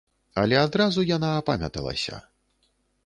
Але адразу яна апамяталася.